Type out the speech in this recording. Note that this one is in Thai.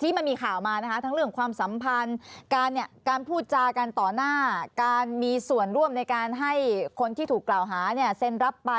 ที่มีข่าวมานะคะทั้งเรื่องความสัมพันธ์การพูดจากันต่อหน้าการมีส่วนร่วมในการให้คนที่ถูกกล่าวหาเนี่ยเซ็นรับไป